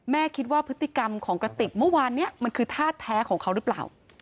คิดว่าพฤติกรรมของกระติกเมื่อวานนี้มันคือท่าแท้ของเขาหรือเปล่า